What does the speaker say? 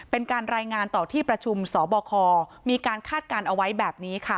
เป็นการรายงานต่อที่ประชุมสบคมีการคาดการณ์เอาไว้แบบนี้ค่ะ